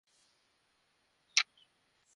তোমাকে মিস করছি।